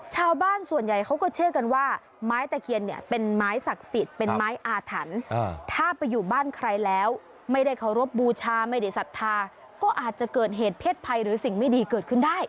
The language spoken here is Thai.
ชาวบ้านส่วนใหญ่เขาก็เชื่อกันว่าไม้ตะเคียนเนี่ยเป็นไม้ศักดิ์สิทธิ์เป็นไม้อาถรรพ์ถ้าไปอยู่บ้านใครแล้วไม่ได้เคารพบูชาไม่ได้ศรัทธาก็อาจจะเกิดเหตุเพศภัยหรือสิ่งไม่ดีเกิดขึ้นได้